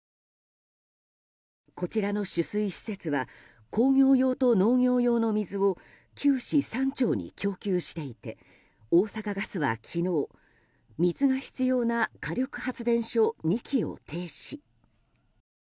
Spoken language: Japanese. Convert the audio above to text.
こちらの取水施設は工業用と農業用の水を９市３町に供給していて大阪ガスは昨日、水が必要な火力発電所２基を停止。